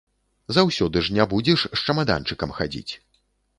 Заўсёды ж не будзеш з чамаданчыкам хадзіць.